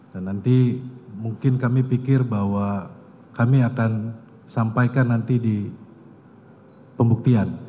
nah nanti mungkin kami pikir bahwa kami akan sampaikan nanti di pembuktian